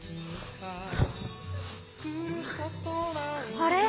あれ？